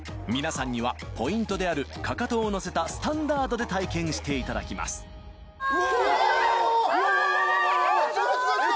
皆さんにはポイントであるかかとを乗せたスタンダードで体験していただきますうわうわうわ！